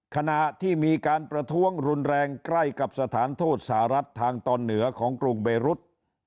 ขณะที่มีการประท้วงรุนแรงใกล้กับสถานทูตสหรัฐทางตอนเหนือของกรุงเบรุษ